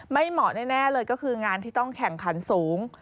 เหมาะแน่เลยก็คืองานที่ต้องแข่งขันสูง